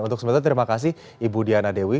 untuk sementara terima kasih ibu diana dewi